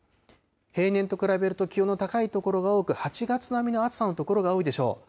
平年と比べると気温の高い所が多く、８月並みの暑さの所が多いでしょう。